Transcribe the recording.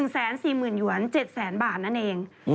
๑๔๐๐๐หยวน๗แสนบาทนั่นเอง